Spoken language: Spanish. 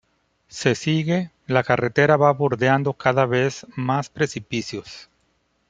Se sigue, la carretera va bordeando cada vez más precipicios.